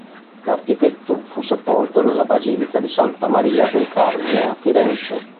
L'architetto fu sepolto nella basilica di Santa Maria del Carmine a Firenze.